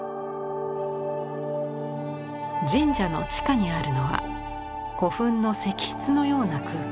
神社の地下にあるのは古墳の石室のような空間。